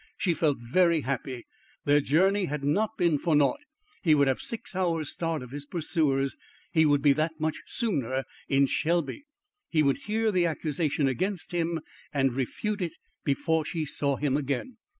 She felt very happy. Their journey had not been for naught. He would have six hours' start of his pursuers; he would be that much sooner in Shelby; he would hear the accusation against him and refute it before she saw him again.